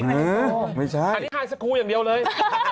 นี่ให้ฮายสุโคลณ์อย่างเดียวเลย